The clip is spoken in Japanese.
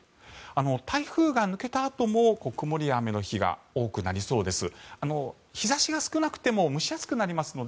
台風が抜けたあとも曇りや雨の日が多くなりそうです。